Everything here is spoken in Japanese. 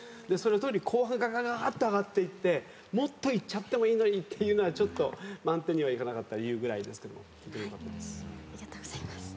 特に後半ガガガガッと上がっていってもっといっちゃってもいいのにっていうのは満点にはいかなかった理由ぐらいですけどもとてもよかったです。